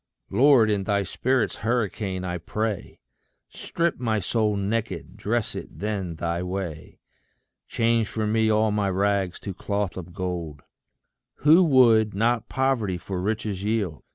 Lord, in thy spirit's hurricane, I pray, Strip my soul naked dress it then thy way. Change for me all my rags to cloth of gold. Who would not poverty for riches yield?